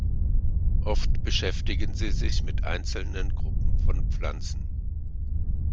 Oft beschäftigen sie sich mit einzelnen Gruppen von Pflanzen.